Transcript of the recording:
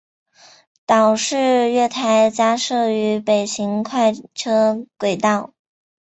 岛式月台加设于北行快车轨道。